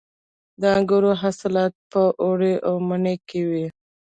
د انګورو حاصلات په اوړي او مني کې وي.